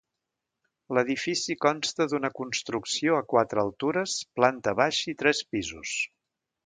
L'edifici consta d'una construcció a quatres altures, planta baixa i tres pisos.